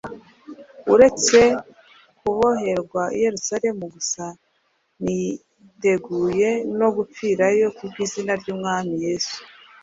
Uretse kuboherwa i Yerusalemu gusa, niteguye no gupfirayo kubw’izina ry’Umwami Yesu